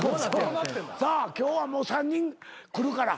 さあ今日はもう３人来るから。